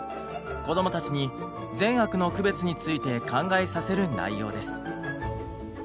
こどもたちに善悪の区別について考えさせる内容です。